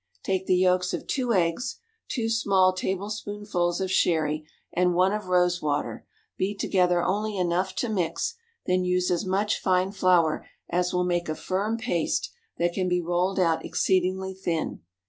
Take the yolks of two eggs, two small tablespoonfuls of sherry, and one of rose water, beat together only enough to mix, then use as much fine flour as will make a firm paste that can be rolled out exceedingly thin.